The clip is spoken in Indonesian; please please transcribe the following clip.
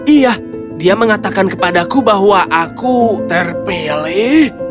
iya dia mengatakan kepadaku bahwa aku terpilih